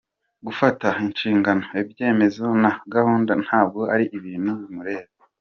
Gufata inshingano, ibyemezo na gahunda ntabwo ari ibintu bimureba.